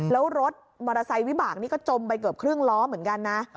แล้วรถมอเตอร์ไซค์วิบากนี่ก็จมไปเกือบครึ่งล้อเหมือนกันนะ